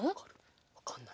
わかんないね。